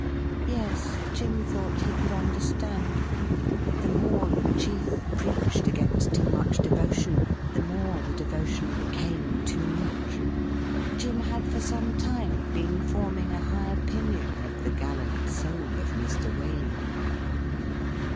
Yes, Jim thought he could understand. The more the chief preached against too much devotion, the more the devotion became too much. Jim had for some time been forming a high opinion of the gallant soul of Mr. Waley.